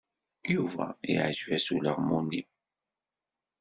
Yuba yeɛjeb-as ulaɣmu-nni.